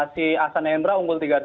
si ahsan hendra unggul tiga dua